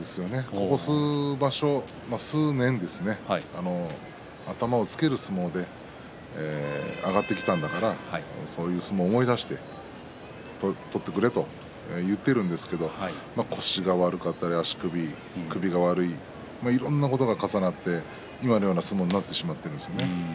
ここ数年ですね頭をつける相撲で上がってきたんだからその相撲を思い出して取ってくれと言っているんですけど腰が悪かったり、足首、首が悪い、いろんなことが重なって今のような相撲になってしまっているんですよね。